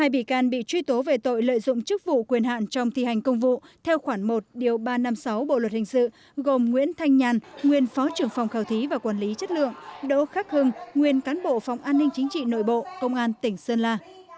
hai bị can bị truy tố về tội lợi dụng chức vụ quyền hạn trong thi hành công vụ theo khoản một điều ba trăm năm mươi sáu bộ luật hình sự gồm nguyễn thanh nhàn nguyên phó trưởng phòng khảo thí và quản lý chất lượng đỗ khắc hưng nguyên cán bộ phòng an ninh chính trị nội bộ công an tỉnh sơn la